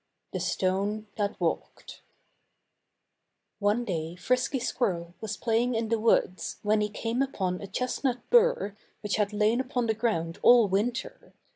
III The Stone that Walked One day Frisky Squirrel was playing in the woods when he came upon a chestnut bur which had lain upon the ground all winter.